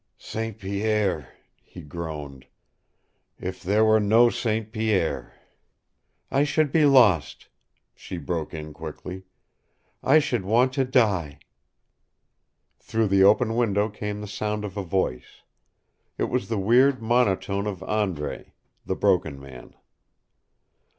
"St. Pierre!" he groaned. "If there were no St. Pierre!" "I should be lost," she broke in quickly. "I should want to die!" Through the open window came the sound of a voice. It was the weird monotone of Andre, the Broken Man.